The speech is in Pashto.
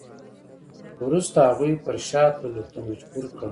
وروسته هغوی پر شا تللو ته مجبور کړ.